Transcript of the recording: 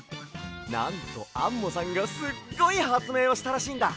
なんとアンモさんがすっごいはつめいをしたらしいんだ。